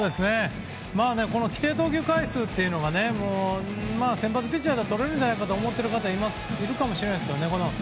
この規定投球回というのは先発ピッチャーだったらとれるんじゃないかと思っている方いるかもしれないですけどね